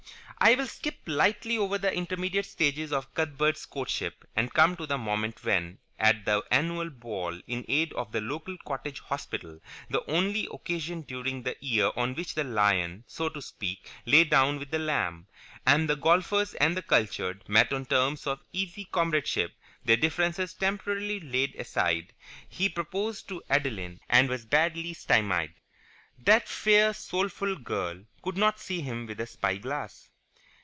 I will skip lightly over the intermediate stages of Cuthbert's courtship and come to the moment when at the annual ball in aid of the local Cottage Hospital, the only occasion during the year on which the lion, so to speak, lay down with the lamb, and the Golfers and the Cultured met on terms of easy comradeship, their differences temporarily laid aside he proposed to Adeline and was badly stymied. That fair, soulful girl could not see him with a spy glass.